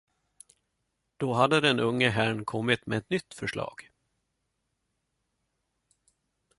Då hade den unga herrn kommit med ett nytt förslag.